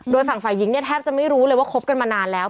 โดยฝั่งฝ่ายหญิงเนี่ยแทบจะไม่รู้เลยว่าคบกันมานานแล้ว